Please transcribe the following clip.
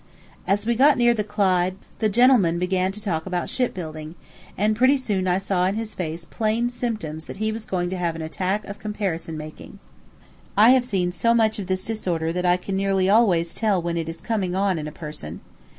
As we got near the Clyde the gentleman began to talk about ship building, and pretty soon I saw in his face plain symptoms that he was going to have an attack of comparison making. I have seen so much of this disorder that I can nearly always tell when it is coming on a person.